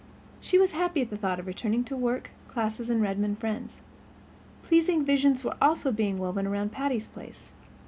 She was happy at the thought of returning to work, classes and Redmond friends. Pleasing visions were also being woven around Patty's Place.